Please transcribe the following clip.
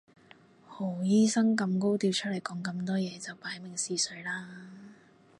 何醫生咁高調出嚟講咁多嘢就擺明試水啦